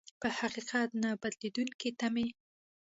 په حقيقت نه بدلېدونکې تمې.